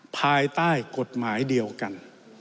ภายใต้กฎหมายเดียวกัน